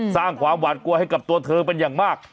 สร้างความหวาดกลัวให้กับตัวเธอเป็นอย่างมาก